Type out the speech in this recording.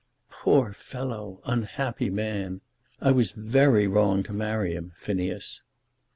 "Poor fellow; unhappy man! I was very wrong to marry him, Phineas."